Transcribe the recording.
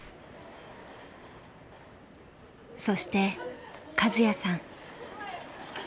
そしてカズヤさん。